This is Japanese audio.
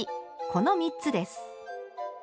この３つです。